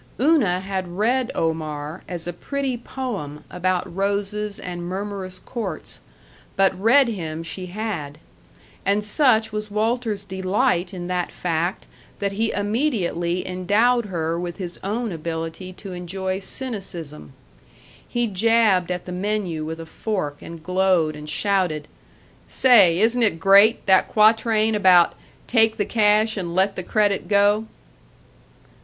Una had read Omar as a pretty poem about roses and murmurous courts, but read him she had; and such was Walter's delight in that fact that he immediately endowed her with his own ability to enjoy cynicism. He jabbed at the menu with a fork and glowed and shouted, "Say, isn't it great, that quatrain about 'Take the cash and let the credit go'?"